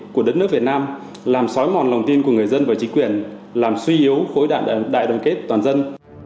của đất nước việt nam làm xói mòn lòng tin của người dân và chính quyền làm suy yếu khối đại đoàn kết toàn dân